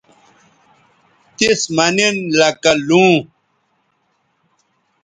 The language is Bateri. تِس مہ نن لکہ لوں